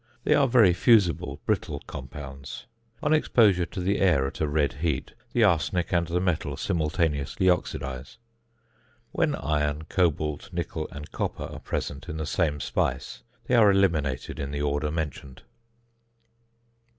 They are very fusible, brittle compounds. On exposure to the air at a red heat the arsenic and the metal simultaneously oxidize. When iron, cobalt, nickel, and copper are present in the same speise, they are eliminated in the order mentioned.